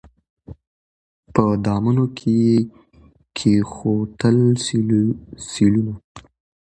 په دامونو کي یې کښېوتل سېلونه